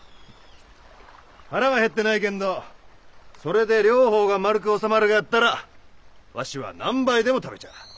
腹はへってないけんどそれで両方がまるく収まるがやったらわしは何杯でも食べちゃら。